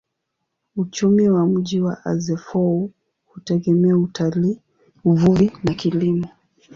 Uchumi wa mji wa Azeffou hutegemea utalii, uvuvi na kilimo.